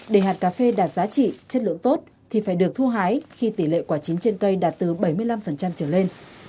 để hạt cà phê đạt giá trị chất lượng tốt thì phải được thu hái khi tỷ lệ quả chín trên cây đạt từ bảy mươi năm trở lên